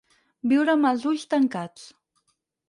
Viure amb els ulls tancats.